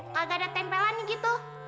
kagak ada tempelan gitu